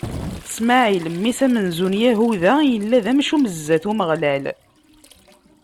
Smaɛil, mmi-s amenzu n Yahuda, yella d amcum zdat n Umeɣlal.